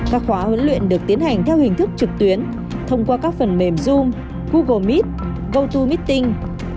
các khóa huấn luyện được tiến hành theo hình thức trực tuyến thông qua các phần mềm zoom google mito meeting